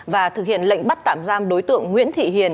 và thực hiện lệnh bắt tạm giam đối tượng nguyễn thị hiền